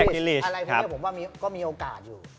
อะไรพวกนี้ผมว่าก็มีโอกาสอยู่